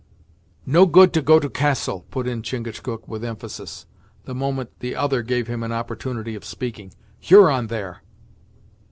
"No good to go to Castle," put in Chingachgook with emphasis, the moment the other gave him an opportunity of speaking. "Huron there."